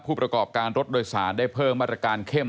ประกอบการรถโดยสารได้เพิ่มมาตรการเข้ม